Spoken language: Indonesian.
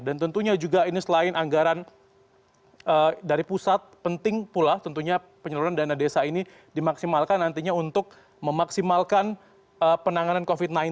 dan tentunya juga ini selain anggaran dari pusat penting pula tentunya penyaluran dana desa ini dimaksimalkan nantinya untuk memaksimalkan penanganan covid sembilan belas